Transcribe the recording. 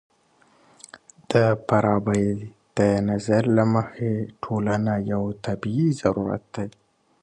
د فارابي د نظر له مخې ټولنه يو طبيعي ضرورت دی.